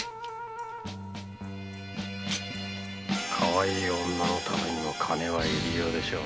かわいい女のためにも金は入り用でしょう。